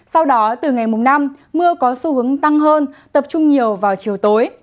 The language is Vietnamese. sau đó từ ngày mùng năm mưa có xu hướng tăng hơn tập trung nhiều vào chiều tối